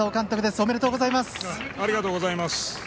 ありがとうございます。